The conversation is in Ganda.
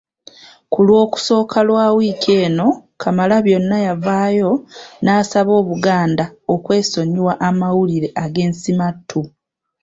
Ku Lwokusooka lwa wiiki eno Kamalabyonna yavaayo n'asaba Obuganda okwesonyiwa amawulire ag’ensimattu.